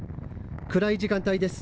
暗い時間帯です。